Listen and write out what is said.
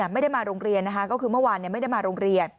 ไม่ได้มาโรงเรียนนะคะก็คือเมื่อวานไม่ได้มาโรงเรียน